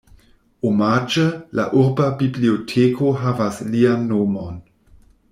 Omaĝe, la urba biblioteko havas lian nomon.